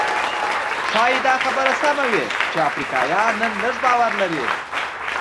ښايي دا خبره سمه وي چې افریقایان نن لږ باور لري.